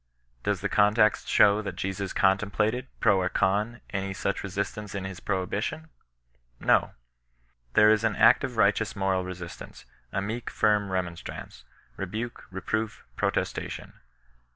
Does the context show that Jesus contemplated, pro or con, any such resistance in his prohibition ? No. There is an active righteous moral resistance — a meek firm remonstrance, rebuke, reproof, protestation.